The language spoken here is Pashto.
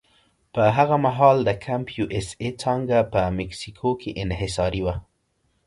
په هغه مهال د کمپ یو اس اې څانګه په مکسیکو کې انحصاري وه.